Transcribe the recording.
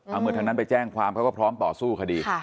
เอาเมื่อทางนั้นไปแจ้งความเขาก็พร้อมต่อสู้คดี